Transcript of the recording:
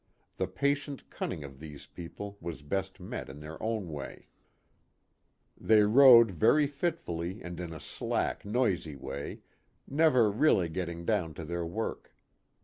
The patient cunning of these people was best met in their own way. A PICNIC NEAR THE EQUATOR. 63 They rowed very fitfully and in a slack noisy way, never really getting down to their work.